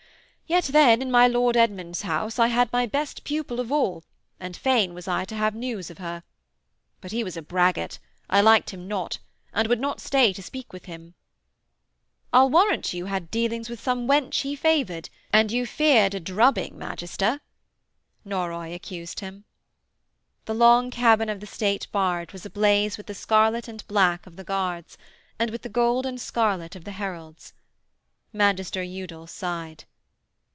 'Yet then, in my Lord Edmund's house I had my best pupil of all, and fain was I to have news of her.... But he was a braggart; I liked him not, and would not stay to speak with him.' 'I'll warrant you had dealings with some wench he favoured, and you feared a drubbing, magister,' Norroy accused him. The long cabin of the state barge was ablaze with the scarlet and black of the guards, and with the gold and scarlet of the heralds. Magister Udal sighed.